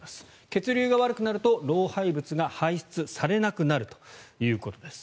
血流が悪くなると老廃物が排出されなくなるということです。